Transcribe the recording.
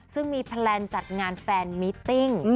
ซึ่งมีแพลนจัดงานแฟนมิตติ้ง